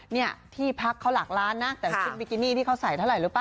เนี่ยที่พักเขาหลักล้านนะแต่ชุดบิกินี่ที่เขาใส่เท่าไหร่รู้ป่